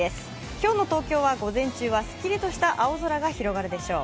今日の東京は午前中はすっきりとした青空が広がるでしょう。